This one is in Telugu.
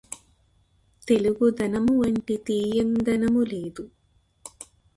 తెలుగుదనమువంటి తీయందనము లేదు